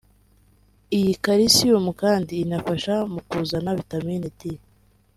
iyi calcium kandi inafasha mu kuzana vitamine D